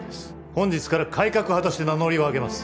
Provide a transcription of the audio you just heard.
本日から改革派として名乗りを上げます。